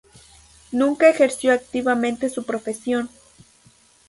Nunca ejerció activamente su profesión.